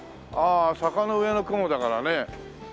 ああ『坂の上の雲』だからね。